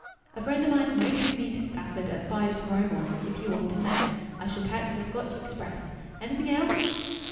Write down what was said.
"A friend o' mine's motoring me to Stafford at five to morrow morning, if you want to know. I shall catch the Scotch express. Anything else?"